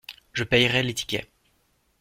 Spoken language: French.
Je paierai les tickets.